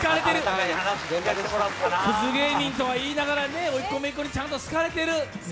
クズ芸人とはいいながらね、おいっ子とめいっ子にちゃんと好かれてる。